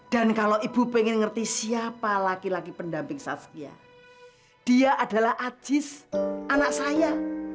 dan kalau ibu ingin mengerti siapa laki laki pendamping saskia dia adalah ajis anak saya